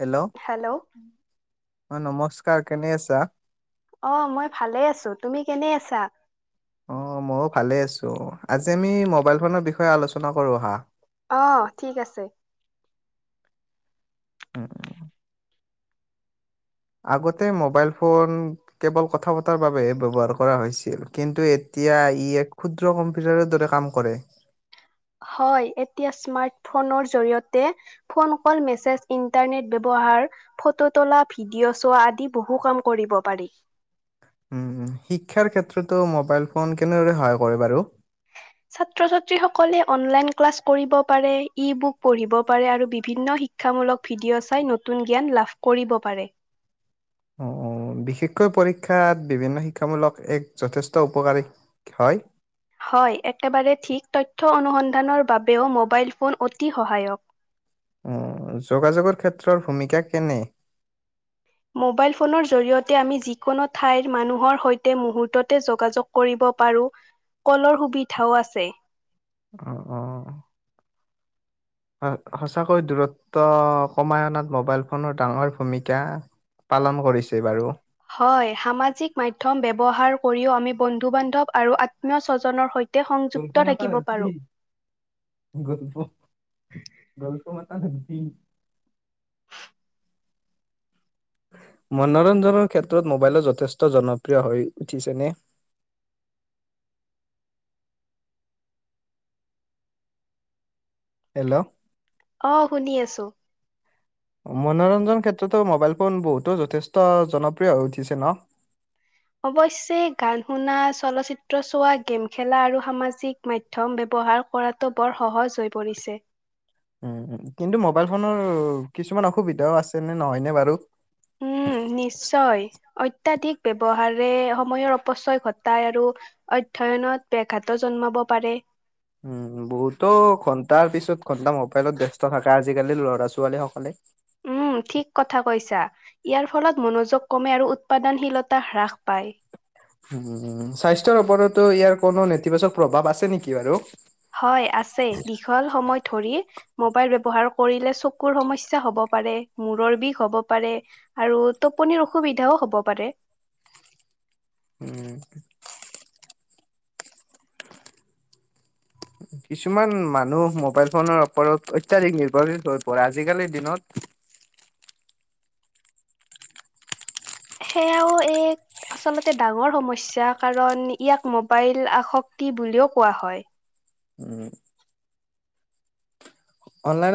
Hello hello. অ নমস্কাৰ কেনে আছা অ' মই ভালে আছো তুমি? কেনে আছা? অ মইয়ো ভালে আছো। আজি আমি মোবাইল ফোনৰ বিষয়ে আলোচনা কৰো আহা। অ', ঠিক আছে। [unintelligible] আগতে মোবাইল ফোন কেৱল কথা পতাৰ বাবে হে ব্যৱহাৰ কৰা হৈছিল, কিন্তু এতিয়া ই এক ক্ষুদ্ৰ কম্পিউটাৰৰ দৰে কাম কৰে। হয় এতিয়া স্মাৰ্টফোনৰ জৰিয়তে ফোন কল, মেছেজ, ইণ্টাৰনেট ব্যৱহাৰ, ফটো তোলা, ভিডিঅ' চোৱা আদি বহু কাম কৰিব পাৰি। উম উ। শিক্ষাৰ ক্ষেত্ৰতো মোবাইল ফোন কেনেদৰে সহায় কৰে বাৰু? ছাত্ৰ ছাত্ৰী সকলে অনলাইন ক্লাছ কৰিব পাৰে, ই বুক পঢ়িব পাৰে আৰু বিভিন্ন শিক্ষামূলক ভিডিঅ' চাই নতুন জ্ঞান লাভ কৰিব পাৰে। অ' অ' বিশেষকৈ পৰীক্ষাত বিভিন্ন শিক্ ক্ষামূলক এক যথেষ্ট উপকাৰী হয়। হয়, একেবাৰে ঠিক তথ্য অনুসন্ধানৰ বাব বেও মোবাইল ফোন অতি সহায়ক। উম। যোগাযোগৰ ক্ষেত্ - ত্ৰৰ ভূমিকা কেনে? মোবাইল ফোনৰ জৰি়য়তে আমি যিকোনো ঠাইৰ মানুহৰ সৈতে মুহূৰ্ততে যোগাযোগ কৰিব পাৰো। কলৰ সুবিধাও আছ ছে। অ' অ'। সঁচাকৈ দূৰত্ব কমাই অনাত মোবাইল ফোনৰ ডাঙৰ ভূমিকা পালন কৰিছে বাৰু! হয় সামাজিক মাধ্যম ব্যৱহাৰ উপৰিও আমি বন্ধু বান্ধৱ আৰু আত্মীয় স্বজনৰ সৈতে গল্প সংযুক্ত মাত থাকিব পাৰোঁ। গল গল্প ম ধমছি [unintelligible] মনোৰঞ্জনৰ ক্ষেত্ৰত? মোবাইলো যথেষ্ট জনপ্ৰিয় হৈ উঠিছেনে হেল্ল' অ শুনি আছো মনোৰঞ্জননৰ ক্ষেত্ৰতো মোবাইল ফোন বহুতো যথেষ্ট জনপ্ৰিয় হৈ উঠিছে ন? অৱশ্যে গান শুনা চলচ্চিত্ৰ চোৱা গে'ম খেলা আৰু সামাজিক মাধ্যম ব্যৱহাৰ কৰাটো বৰ সহজ হৈ পৰিছে। উ কিন্তু মোবাইল ফোনৰ কিছুমান অসুবিধাও আছে নে নহয়নে বাৰু? উম, নিশ্চয়। অত্যাধিক ব্যৱহাৰে সময়ৰ অপচয় ঘটায় আৰু অধ্যয়নত বে জন্মাব পাৰে উম বহুতো ঘন্টাৰ পিছত ঘন্টা মোবাইলত দে থকা আজিকালি ল'ৰা ছোৱালীসকলে উম ঠিক কথা কৈছা ইয়াৰ ফলত মনোযোগ কমে আৰু উৎপাদনশীলতা হ্ৰাস পায়। উম উম স্বাস্থ্যৰ ওপৰতো ইয়াৰ কোনো নেতিবাচক প্ৰভাৱ আছে নেকি বাৰু? হয় আছে দীঘল সময় ধৰি মোবাইল ব্যৱহাৰ কৰিলে চকুৰ সমস্যা হব পাৰে মূৰৰ বিষ হব পাৰে আৰু টোপনিৰ অসুবিধাও হব পাৰে। উম কিছুমান মানুহ মোবাইল ফোনৰ ওপৰত অত্যধিক নিৰ্ভৰশীশ হৈ পৰে আজিকালিৰ দিনত সেয়াও এক আচলতে ডাঙৰ সমস্যা কাৰণ ইয়াক মোবাইল আসক্তি বুলিও কোৱা হয়। উম, অনলাই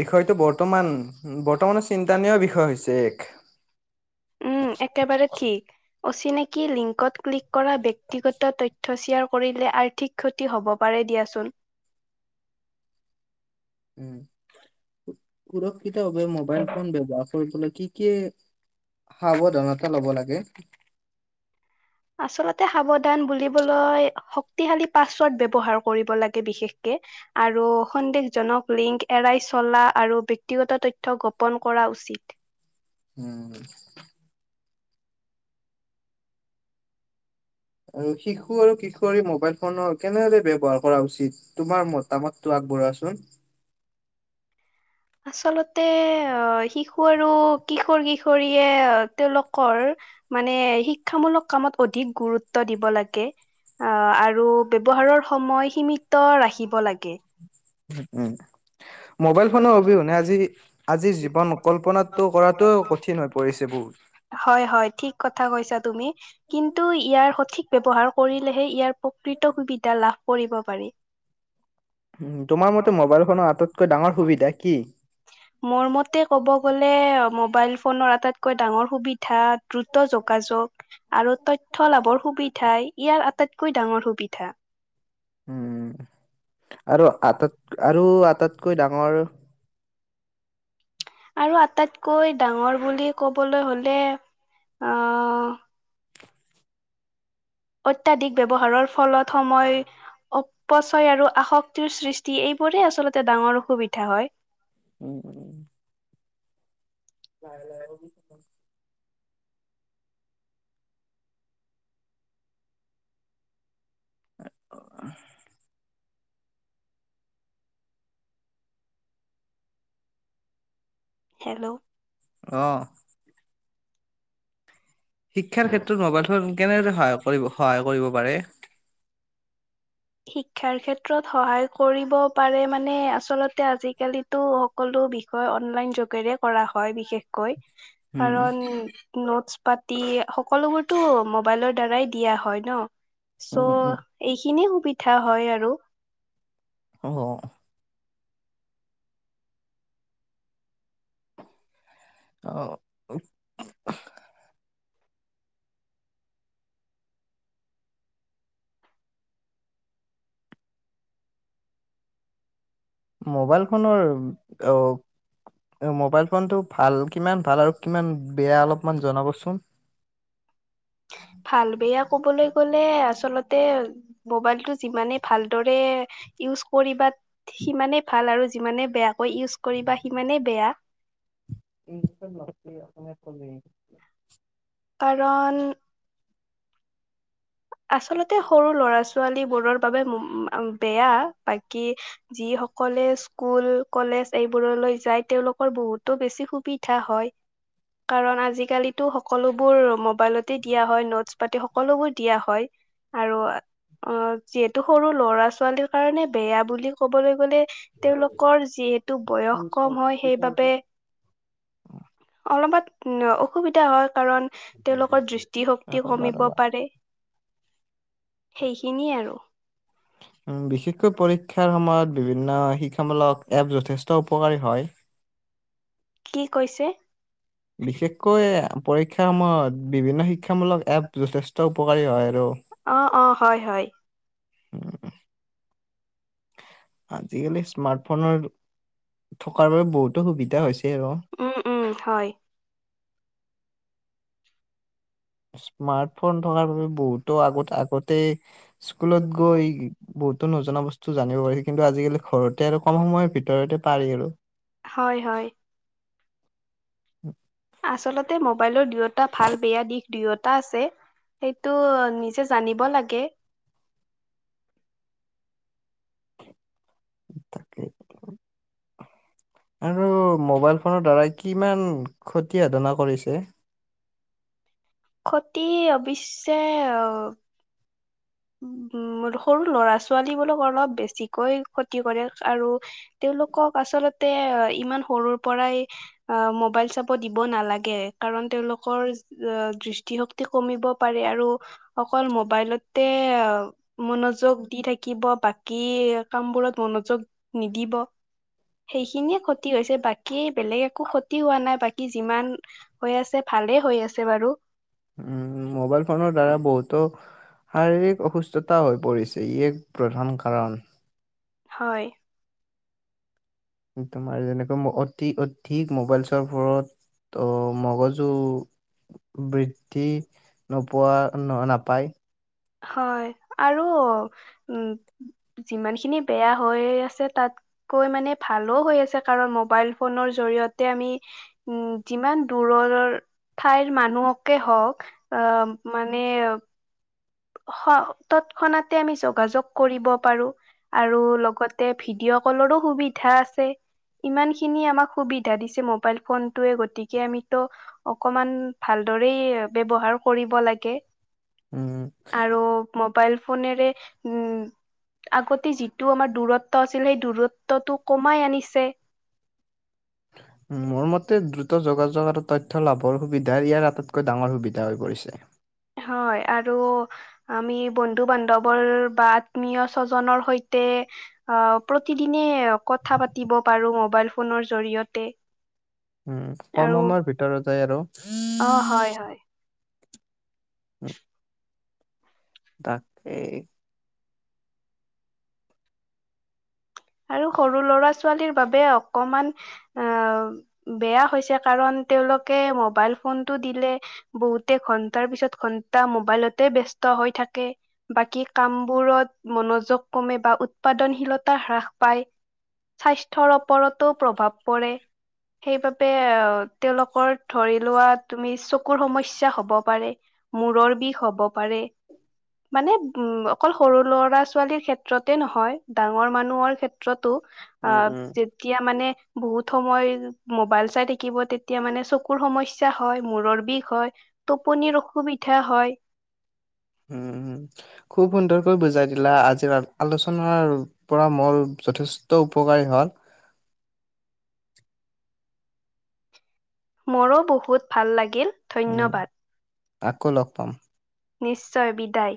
বিষয়টো বৰ্তমানৰ বিষয় উম একেবাৰে ঠিক অচিনাকি লিংকত ক্লিক কৰা ব্যক্তিগত তথ্য শ্বেয়াৰ কৰিলে আৰ্থিক ক্ষতি হ'ব পাৰে দিয়াচোন। উ সুৰক্ষিতভাৱে মোবাইল ফোন ব্যৱহাৰ কৰিবলৈ কি কি সাৱধানতা লব লাগে? আচলতে সাৱধান বুলিবলৈ শক্তিশালী পাছৱৰ্ড ব্যৱহাৰ কৰিব লাগে বিশেষকে, আৰু সন্দেহজনক লিংক এৰাই চলা আৰু ব্যক্তিগত তথ্য গোপন কৰা উচিত। উম আৰু শিশু আৰু কিশোৰী মোবাইল ফোনৰ কেনেদৰে ব্যৱহাৰ কৰা উচিত তোমাৰ মতামতটো আগবঢ়োৱাচোন। আচলতে আহ শিশু আৰু কিশোৰ কিশোৰীয়ে তেওঁলোকৰ মানে শিক্ষামূলক কামত অধিক গুৰুত্ব দিব লাগে আহ আৰু ব্যৱহাৰৰ সময় সীমিত ৰাখিব লাগে। উম উম মোবাইল ফোনৰ অবিহনে আজিৰ জীৱন কল্পনাটো কৰাটো কঠিন হৈ পৰিছে হয় হয় ঠিক কথা বহু কৈছা তুমি কিন্তু ইয়াৰ সঠিক ব্যয়হাৰ কৰিলেহে ইয়াৰ প্ৰকৃত সুবিধা লাভ কৰিব পাৰি তোমাৰ মতে মোবাইলখনৰ আটাইতকৈ ডাঙৰ সুবিধা কি মোৰ মতে ক'ব গ'লে মোবাইল ফনৰ আটাইতকৈ ডাঙৰ সুবিধা দ্ৰুত যোগাযোগ আৰু তথ্য লাভৰ সুবিধাই ইয়াৰ আটাইতকৈ ডাঙৰ সুবিধা উম আৰু আত আৰু আৰু আটাইতকৈ ডাঙৰ হয় আৰু আটাইতকৈ ডাঙৰ বুলি ক'বলৈ হলে আঁহ অত্যাধিক ব্যৱহাৰৰ ফলত সময় অপচয় আৰু আসক্ত সৃষ্টি এইবোৰেই আচলতে ডাঙৰ অসুবিধা হয় উম উম লাহে লাহে অঁ ক [unintelligible] [inaudible] হেল্ল' আঁহ শিক্ষাৰ ক্ষেত্ৰত মোবাইল ফোন কেনেদৰে সহ কৰিব সহায় কৰিব পাৰে শিক্ষাৰ ক্ষেত্ৰত সহায় কৰিব পাৰে মানে আচলতে আজিকালিতো সকলো বিষয় অনলাইন যোগেৰে কৰা হয় বিশেষকৈ উম কাৰণ নটচ পাতি সকলোবোৰতো মোবাইলৰ দ্বাৰাই দিয়া হয় ন চ' উম উম এইখিনিয়ে সুবি পিঠা হয় আৰু অঁ। অঁ মোবাইল ফোনৰ অঁ মোবাইল ফোনটো ভাল কিমান ভাল আৰু কিমান বেয়া অলপমান জনাবচোন কলে আচলতে মোবাইলটো যিমানে ভাল দৰে ইউজ কৰিবা সিমানে ভাল আৰু যিমানে বেয়াকৈ ইউজ কৰিবা সিমানে বেয়া [inaudible] কাৰণ আচলতে সৰু ল'ৰা ছোৱালী বোৰৰ বাবে উম ম বেয়া বাকী যি সকলে স্কুল কলেজ এই বোৰলৈ যায় তেওঁলোকৰ বহুতো বেছি সু বিধা হয় কাৰণ আজিকালিটো সকলোবোৰ মবাইলত দিয়া হয় নটচ্ পাতি সকলোবোৰ দিয়া হয় আৰু অ যিহেতু সৰু ল'ৰা ছোৱালী কাৰণে বেয়া বুলি ক'বলৈ গ'লে তেওঁলোকৰ যিহ তটো বয়স কম হয় সেইবাবে অলপত অসুবিধা হয় কাৰণ তেওঁলোকৰ দৃষ্টিশক্তি ৰ'বা কমিব ৰ'বা পাৰে সেইখিনিয়ে আৰু উম বিশেষকৈ পৰীক্ষাৰ সময়ত বিভিন্ন শিক্ষামূলক এপ যথেষ্ট উপকাৰী হয় কি কৈছে বিশেষকৈ পৰীক্ষাৰ সময়ত বিভিন্ন শিক্ষামূলক এপ যথেষ্ট উপকাৰী হয় আৰু অ' অ' হয় হয় উম আজিকালি স্মাৰ্টফোনৰ থকাৰ বাবে বহুতো সুবিধা হৈছে আৰু উম উম হয়। ব [unintelligible] স্মাৰ্টফোন থকাৰ বাবে বহুতো আগত আগতেই স্কুলত গৈ এই বহুত নজনা বচ্ চু জানিব পাৰি কিন্তু আজিকালি ঘৰতে আৰু কম সময়ৰ ভিতৰতে পাৰি আৰু হয় হয় উ আচলতে মবাইলৰ দু এট টা ভাল বেয়া দিশ দুয়োটা আছে সেইটো নিজে জানিব লাগে কে তাকেই আৰু মোবাইল ফোনৰ দ্বাৰা কিমান ক্ষতি সাধনা কৰিছে ক্ষতি অ ব কৰিছে অ উম উম সৰু ল'ৰা ছোৱালী বোলক অলপ বেছি কৈ ক্ষতি কৰে আৰু তেওঁলোকক আচলতে ইমান সৰুৰ পৰাই মোবাইল চাব দিব নালাগে কাৰণ তেওঁলোকৰ দৃষ্টিশক্তি দৃষ্টি কমিব পাৰে আৰু অকল মোবাইলত তে মনোযোগ দি থাকিব বাকী কামবোৰত মনোযোগ নিদিব সেইখিনিয়ে ক্ষতি হৈছে বাকী বেলেগ একো ক্ষতি হোৱা নাই বাকী যিমান হৈ আছে ভালেই হৈ আছে বাৰু উম, মোবাইল ফোনৰ দ্বাৰা স্বচ্ছতাৰ হৈ পৰিছে ই এক প্ৰধান কাৰণ হয় তোমাৰ যেনেকৈ অতি অধিক মোবাই চোৱা পৰত মগজু বৃদ্ধি নোপোৱা নহয় নাপায় হয় আৰু উ যিমানখিনি বেয়া হৈ আছে তাত কৈ মানে ভালো হৈ আছে কাৰণ মো মোবাইল ফোনৰ জৰিয়তে আমি উম যিমান দূৰৰ ঠাইৰ মানুহকে হওঁক আহ মানে হ তৎক্ষণাতে আমি যোগাযোগ কৰিব পাৰু আৰু লগতে ভিডিঅ' কলৰো সুবিধা আছে ইমানখিনি আমাক সুবিধা দিছে মবাইল ফোনটোৱে গতিকে আমিতো অকমান ভালদৰে ব্যৱহাৰ কৰিব লাগে উম। আৰু মোবাইল ফোনেৰে উম আগতে যিটো আমাৰ দূৰত্ব আছিল সেই দূৰত্বটো কমাই আনিছে মোৰ মতে দ্ৰুত যোগাযোগ আৰু তথ্য লাভৰ সুবিধা ইয়াৰ আটাইতকৈ ডাঙৰ সুবিধা হৈ পৰিছে। হয় আৰু আমি বন্ধু বান্ধৱৰ বা আত্মীয় স্বজনৰ সৈতে অ প্ৰতিদিনে কথা পাতিব পাৰো ম'বাইল ফোনৰ জৰিয়তে উ আৰু কমৰ সময় ভিতৰৰত যায় আৰু অ হয় হয় উ তাকেই আৰু সৰু ল'ৰা ছোৱালীৰ বাবে অকমান অহ বেয়া হৈছে কাৰণ তেওঁলোকে মোবাইল পাল ফোনটো দিলে বহুতে ঘন্টাৰ পিছত ঘন্টা মবাইলতে বিস্ত হৈ থাকে তে বাকী কাম বোৰত মনোযোগ কমে বা উৎপাদনশীলতা হ্ৰাস পাই স্বাস্থ্যৰ ওপৰতো প্ৰভাৱ পৰে সেইবাবে তেওঁলোকৰ ধৰি লোৱা তুমি চকুৰ সমস্যাৰ হব পাৰে মূৰৰ বিষ হব পাৰে মানে উ অকল সৰু লৰা ছোৱালীৰ ক্ষেত্ৰতে নহয় ডাঙৰ মানুহৰ ক্ষেতত উম, উম, তাতোযেতিয়া মানে বহুত সময় মোবাইল চাই থাকিব তেতিয়া মানে চকুৰ সমস্যাৰ হয় মূৰৰ বিষ হয় টোপনিৰ অসুবিধা হয় উম, খুব সুন্দৰকৈ বুজাই দিলা আজি কিবা আলোচনাৰ পৰা মোৰ যথেষ্ট উপকাৰী হল মোৰো বহুত ভাল লাগিল উম, ধন্যবাদ আকৌ লগ পাম নিশ্চয় বিদায়